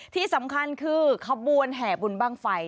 ที่สำคัญคือขบวนแห่บุญบ้างไฟ